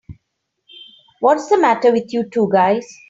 What's the matter with you two guys?